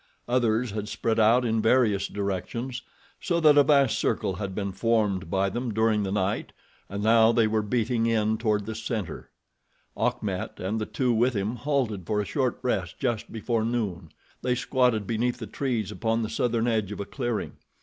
Others had spread out in various directions, so that a vast circle had been formed by them during the night, and now they were beating in toward the center. Achmet and the two with him halted for a short rest just before noon. They squatted beneath the trees upon the southern edge of a clearing.